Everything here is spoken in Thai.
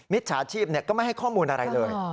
จฉาชีพก็ไม่ให้ข้อมูลอะไรเลย